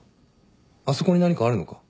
あそこに何かあるのか？